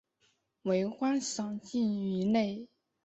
为观赏性鱼类。